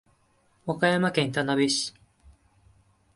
和歌山県田辺市